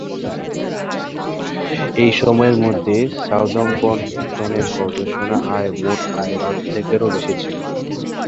এই সময়ের মধ্যে, সাউদাম্পটনের গবেষণা আয় মোট আয়ের অর্ধেকেরও বেশি ছিল।